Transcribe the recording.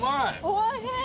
おいしい！